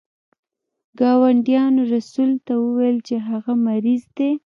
ګاونډیانو رسول ته وویل چې هغه مریض دی.